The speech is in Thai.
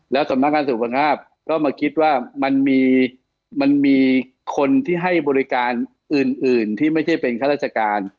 แล้วสำนักงานสุขภาพก็มาคิดว่ามันมีคนที่ให้บริการอื่นที่ไม่ใช่เป็นข้าราชการ